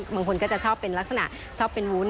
บางคนก็จะชอบเป็นลักษณะชอบเป็นวุ้น